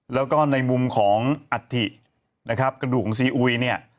แล้วก็ในมุมของอัฐินะครับกระดูกของซีอุยเนี่ย